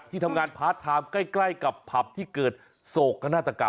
ที่ทำงานพาร์ทไทม์ใกล้กับผับที่เกิดโศกนาฏกรรม